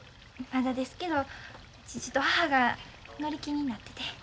まだですけど父と母が乗り気になってて。